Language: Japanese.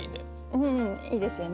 うんいいですよね